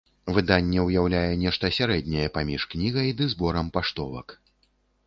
Выданне ўяўляе нешта сярэдняе паміж кнігай ды зборам паштовак.